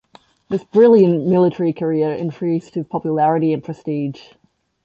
This brilliant military career increased his popularity and prestige.